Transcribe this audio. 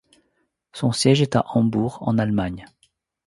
Son siège est à Hambourg, en Allemagne.